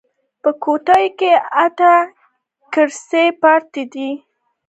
په کوټه کې اته کرسۍ پرتې دي.